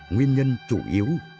nguyên nhân chủ yếu